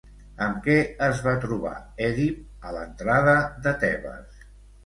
Amb què es va trobar Èdip a l'entrada de Tebes?